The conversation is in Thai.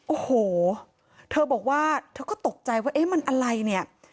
โอ้โหเธอบอกว่าเธอก็ตกใจว่าเอ๊ะมันอะไรเนี่ย